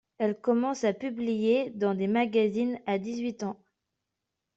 Elle commence à publier dans des magazines à dix-huit ans.